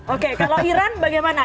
oke kalau iran bagaimana